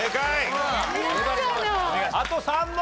あと３問！